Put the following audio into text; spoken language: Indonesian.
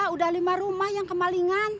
udah lima rumah yang kemalingan